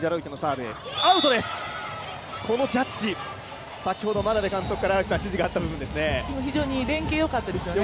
このジャッジ、先ほど眞鍋監督から指示があった部分ですよね。